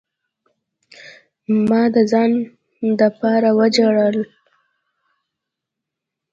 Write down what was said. ما د ځان د پاره وجړل.